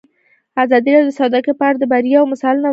ازادي راډیو د سوداګري په اړه د بریاوو مثالونه ورکړي.